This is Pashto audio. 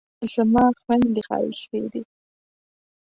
زما خویندې ښایستې دي